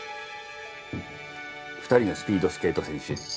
２人のスピードスケート選手